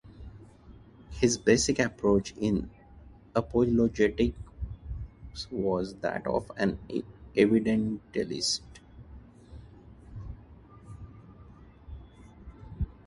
His basic approach in apologetics was that of an evidentialist.